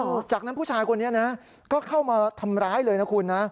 จากนั้นผู้ชายคนนี้นะก็เข้ามาทำร้ายเลยนะคุณนะ